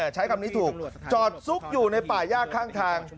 ใช้คำนี้ถูกจอดซุกอยู่ในป่าย่าข้างทาง